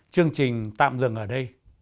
chương trình tạm dừng ở đây